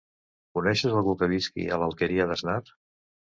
Coneixes algú que visqui a l'Alqueria d'Asnar?